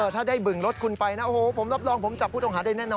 ถ้าได้บึงรถคุณไปนะผมรับรองผมจะจับผู้ต้องหาได้แน่นหน่อย